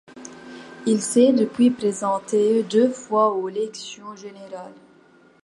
Il s'est depuis présenté deux fois aux élections générales.